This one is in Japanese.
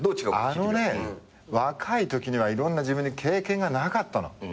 あのね若いときにはいろんな自分に経験がなかったの。